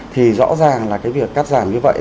thì rõ ràng là cái việc cắt giảm như vậy